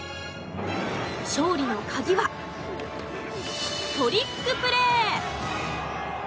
勝利の鍵はトリックプレー。